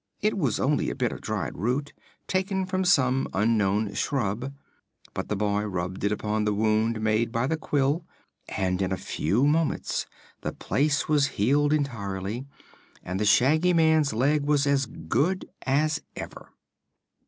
It was only a bit of dried root, taken from some unknown shrub, but the boy rubbed it upon the wound made by the quill and in a few moments the place was healed entirely and the Shaggy Man's leg was as good as ever.